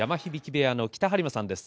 部屋の北はり磨さんです。